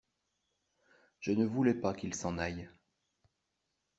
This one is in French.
Je ne voulais pas qu’il s’en aille.